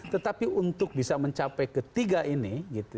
tetapi untuk bisa mencapai ketiga ini